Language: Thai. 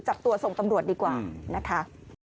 จับตัวส่งตำรวจดีกว่านะคะ